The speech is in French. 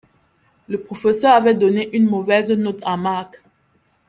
Le professeur avait donné une mauvaise note à Mark.